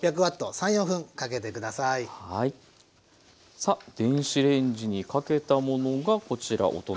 さあ電子レンジにかけたものがこちらお隣ですね。